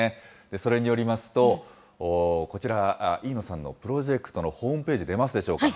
それによりますと、こちら、飯野さんのプロジェクトのホームページ、出ますでしょうか。